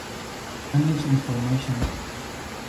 Spanish information